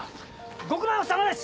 ご苦労さまです！